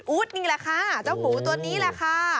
นี่แหละค่ะเจ้าหมูตัวนี้แหละค่ะ